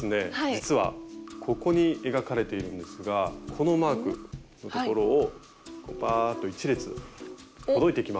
実はここに描かれているんですがこのマークのところをバアーッと１列ほどいていきます。